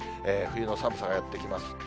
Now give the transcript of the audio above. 冬の寒さがやって来ます。